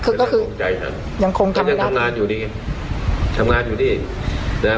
คือก็คือใจฉันยังคงทำงานอยู่ดีทำงานอยู่ดีแล้ว